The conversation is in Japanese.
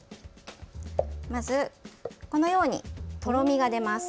まず、このようにとろみが出ます。